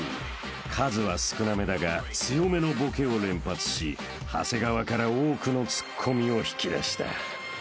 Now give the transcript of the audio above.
［数は少なめだが強めのボケを連発し長谷川から多くのツッコミを引き出した］